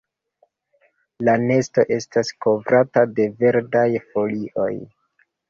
La nesto estas kovrata de verdaj folioj.